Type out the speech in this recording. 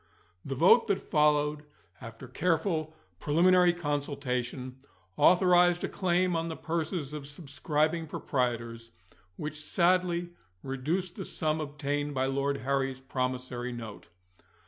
The vote that followed, after careful preliminary consultation, authorised a claim on the purses of subscribing proprietors, which sadly reduced the sum obtained by Lord Harry's promissory note.